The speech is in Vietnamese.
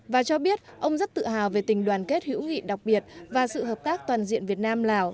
và cho biết ông rất tự hào về tình đoàn kết hữu nghị đặc biệt và sự hợp tác toàn diện việt nam lào